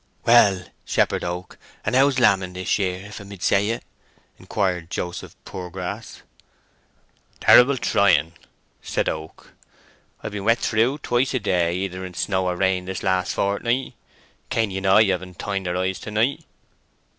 "Well, Shepherd Oak, and how's lambing this year, if I mid say it?" inquired Joseph Poorgrass. "Terrible trying," said Oak. "I've been wet through twice a day, either in snow or rain, this last fortnight. Cainy and I haven't tined our eyes to night."